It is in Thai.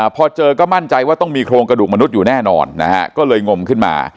พอเจอก็มั่นใจว่าต้องมีโครงกระดูกมนุษย์อยู่แน่นอนนะฮะก็เลยงมขึ้นมา